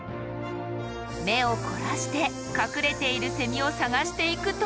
目を凝らして隠れているセミを探していくと。